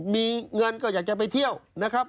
มีเงินก็อยากจะไปเที่ยวนะครับ